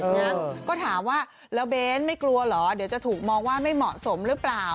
นะก็ถามว่าแล้วเบ้นไม่กลัวเหรอเดี๋ยวจะถูกมองว่าไม่เหมาะสมหรือเปล่า